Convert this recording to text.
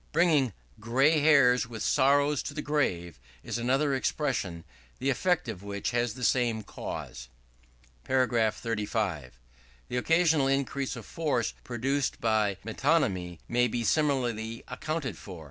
Bringing "gray hairs with sorrow to the grave," is another expression, the effect of which has the same cause. § 35. The occasional increase of force produced by Metonymy may be similarly accounted for.